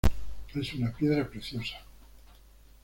Es una piedra preciosa.